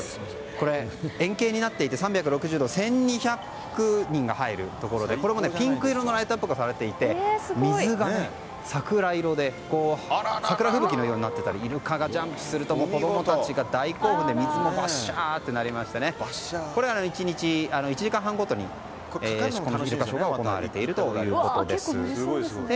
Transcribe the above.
これ、円形になっていて３６０度１２００人が入れるところでこれもピンク色のライトアップがされていて水がね、桜色で桜吹雪のようになっていたりイルカがジャンプすると子供たちが大興奮で水もバッシャーとなりましてこれは１日、１時間半ごとに楽しむことができるということです。